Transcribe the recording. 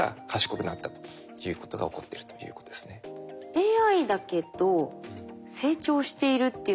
ＡＩだけど成長しているっていうのが。